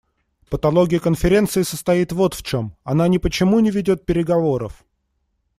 Патология Конференции состоит вот в чем: она ни по чему не ведет переговоров.